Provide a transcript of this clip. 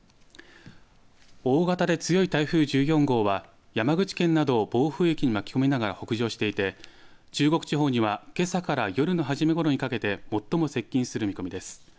大型で強い台風１４号は山口県などを暴風域に巻き込みながら北上していて中国地方にはけさから夜の初めごろにかけて最も接近する見込みです。